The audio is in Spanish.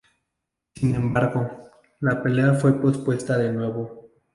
Sin embargo, la pelea fue pospuesta de nuevo.